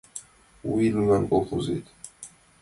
«У вий» лӱман колхозет